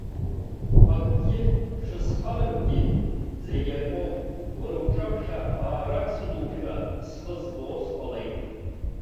Акгьы шысхарамгьы, зегь акоуп, уара уҿаԥхьа аарак сыдушәа схы збо сҟалеит.